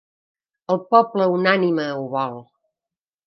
El poble unànime ho vol.